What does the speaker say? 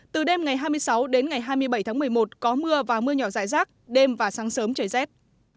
từ đêm ngày hai mươi sáu đến ngày hai mươi bảy tháng một mươi một có mưa và mưa nhỏ rải rác đêm và sáng sớm trời rét